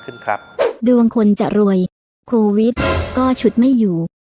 หรือว่าเปอร์เซ็นต์ในการขายที่มากขึ้นครับ